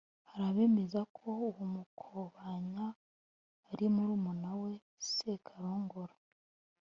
hari abemeza ko uwo Mukobanya ari murumuna we Sekarongoro